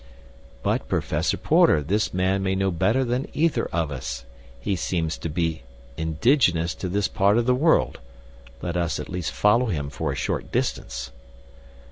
"But, Professor Porter, this man may know better than either of us. He seems to be indigenous to this part of the world. Let us at least follow him for a short distance."